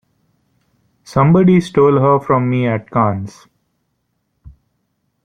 Somebody stole her from me at Cannes.